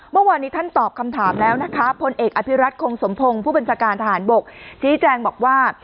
เมื่อวานนี้ท่านตอบคำถามแล้วนะคะพลเอกอภิรัตคงสมพงศ์ผู้บัญชาการทหารบกชี้แจงบอกว่า